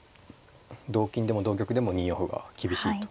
同金でも同玉でも２四歩が厳しいと。